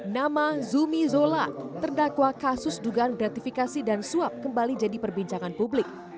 nama zumi zola terdakwa kasus dugaan gratifikasi dan suap kembali jadi perbincangan publik